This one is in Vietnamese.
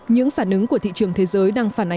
những phản ứng của thị trường thế giới đang phát triển